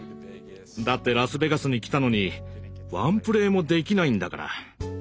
だってラスベガスに来たのにワンプレイもできないんだから。